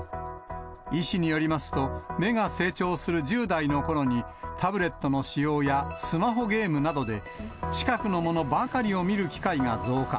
医師によりますと、目が成長する１０代のころに、タブレットの使用やスマホゲームなどで、近くのものばかりを見る機会が増加。